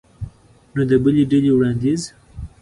نو د بلې ډلې وړاندیز